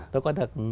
tôi có được